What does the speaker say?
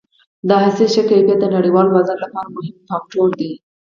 د حاصل ښه کیفیت د نړیوال بازار لپاره مهم فاکتور دی.